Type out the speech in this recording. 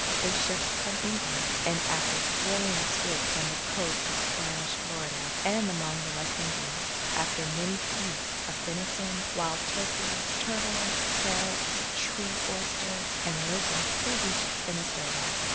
They shipped from England. And after thrilling escapes on the coast of Spanish Florida and among the West Indies, after many feasts of venison, wild turkey, turtle, parrots, "tree oysters," and lizard, they reached Venezuela.